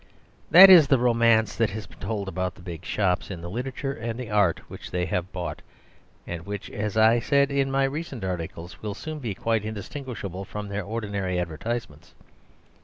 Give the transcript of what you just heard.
That is the romance that has been told about the big shops; in the literature and art which they have bought, and which (as I said in my recent articles) will soon be quite indistinguishable from their ordinary advertisements.